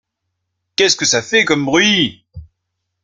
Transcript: Qu’est-ce que ça fait comme bruit !